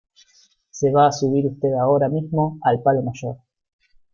se va a subir usted ahora mismo al palo mayor